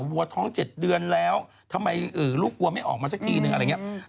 วัวท้อง๗เดือนแล้วทำไมลูกวัวไม่ออกมาสักทีนึงอะไรอย่างนี้